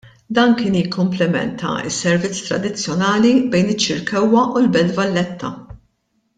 Dan kien jikkumplementa s-servizz tradizzjonali bejn iċ-Ċirkewwa u l-Belt Valletta.